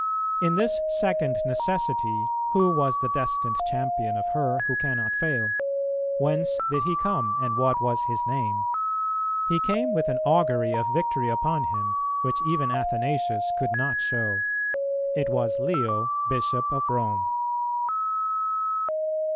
In this second necessity, who was the destined champion of her who cannot fail? Whence did he come, and what was his name? He came with an augury of victory upon him, which even Athanasius could not show; it was Leo, Bishop of Rome.